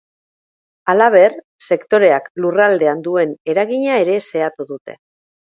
Halaber, sektoreak lurraldean duen eragina ere xehatu dute.